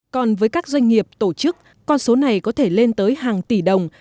còn với các doanh nghiệp tổ chức con số này có thể lên tới hàng tỷ đồng